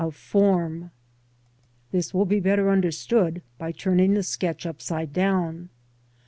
of form . This will be better un derstood by turning the sketch upside down.